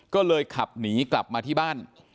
ก็เลยขับหนีกลับมาที่บ้าน